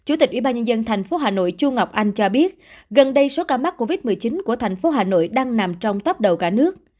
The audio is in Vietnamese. ubnd tp hà nội chu ngọc anh cho biết gần đây số ca mắc covid một mươi chín của tp hà nội đang nằm trong tóp đầu cả nước